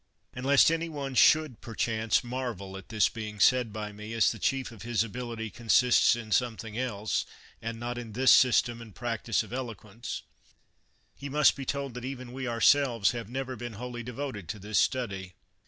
And lest any one should, per chance, marvel at this being said by me, as the chief of his ability consists in sometMng else, and not in this system and practise of eloquence, he must be told that even we ourselves have never been wholly devoted to this study.